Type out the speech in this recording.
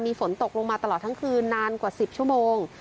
มีฝนตกลงมาตลอดทั้งคืนนานกว่า๑๐ชั่วโมง